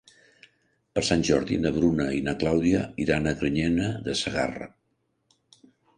Per Sant Jordi na Bruna i na Clàudia iran a Granyena de Segarra.